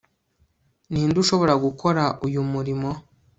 ninde ushobora gukora uyu murimo